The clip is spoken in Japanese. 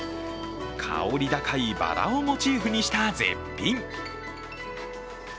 香り高いバラをモチーフにした絶品。